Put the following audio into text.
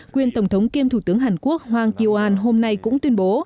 quyền tổng thống kiêm thủ tướng hàn quốc hoàng kiều an hôm nay cũng tuyên bố